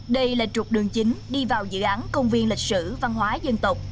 đây là trục đường chính đi vào dự án công viên lịch sử văn hóa dân tộc